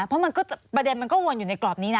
เพราะมันก็ประเด็นมันก็วนอยู่ในกรอบนี้นะ